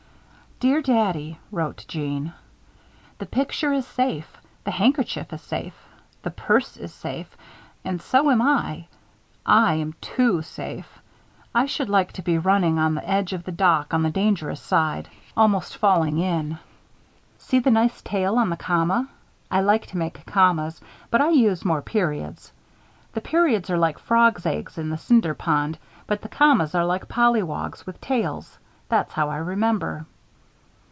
DEAR DADDY [wrote Jeanne]: The picture is safe. The handkerchief is safe. The purse is safe. And so am I. I am too safe. I should like to be running on the edge of the dock on the dangerous side, almost falling in. See the nice tail on the comma. I like to make commas, but I use more periods. The periods are like frog's eggs in the Cinder Pond but the commas are like pollywogs with tails. That's how I remember.